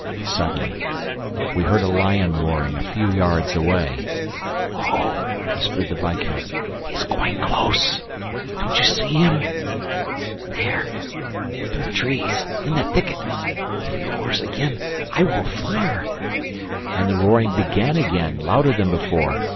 Suddenly, we heard a lion roaring a few yards away. "Oh," whispered the viscount, "he is quite close! ... Don't you see him? ... There ... through the trees ... in that thicket! If he roars again, I will fire! ..." And the roaring began again, louder than before.